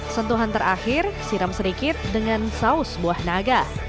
sentuhan terakhir siram sedikit dengan saus buah naga